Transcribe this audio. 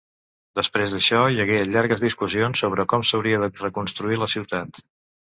Després d'això, hi hagué llargues discussions sobre com s'hauria de reconstruir la ciutat.